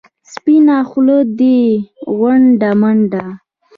سپینه خوله دې غونډه منډه.